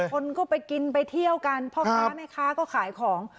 คนก็ไปกินไปเที่ยวกันพ่อค้าแม่ค้าก็ขายของ